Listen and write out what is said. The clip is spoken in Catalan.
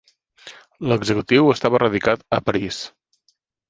L'executiu estava radicat a París.